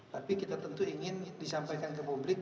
tapi kita tentu ingin disampaikan ke publik